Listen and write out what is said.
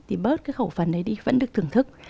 thì bớt cái khẩu phần đấy đi vẫn được thưởng thức